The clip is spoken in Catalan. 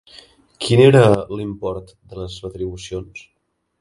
Quin era l'import de les retribucions?